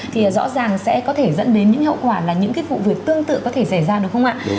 thì rõ ràng sẽ có thể dẫn đến những hậu quả là những cái vụ việc tương tự có thể xảy ra đúng không ạ